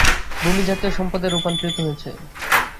ভূমি জাতীয় সম্পদে রূপান্তরিত হয়েছে।